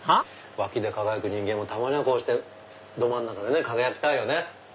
脇で輝く人間もたまにこうしてど真ん中で輝きたいよね。